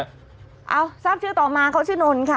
ครับนี่เอาทราบชื่อต่อมาเขาชื่อนนนค่ะ